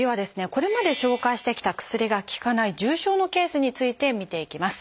これまで紹介してきた薬が効かない重症のケースについて見ていきます。